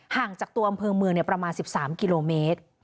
ห่างจากตัวอำเภอเมืองประมาณ๑๓กิโลเมตร